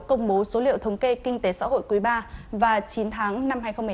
công bố số liệu thống kê kinh tế xã hội quý ba và chín tháng năm hai nghìn một mươi tám